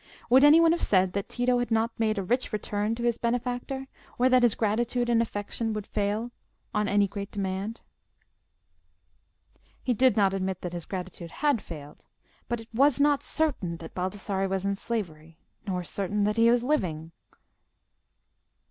Would any one have said that Tito had not made a rich return to his benefactor, or that his gratitude and affection would fail on any great demand? He did not admit that his gratitude had failed; but it was not certain that Baldassarre was in slavery, not certain that he was living.